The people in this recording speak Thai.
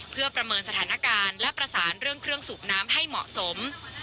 เพื่อประเมินสถานการณ์และประสานเรื่องเครื่องสูบน้ำให้เหมาะสม